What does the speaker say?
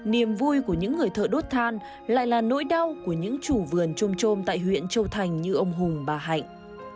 niềm vui của những người thợ đốt than lại là nỗi đau của những chủ vườn trôm trôm tại huyện châu thành như ông hùng bà hạnh